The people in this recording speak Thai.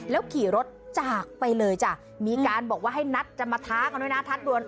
แล้วขี่รถจากไปเลยจ้ะมีการบอกว่าให้นัดจะมาท้ากันด้วยนะทักด่วน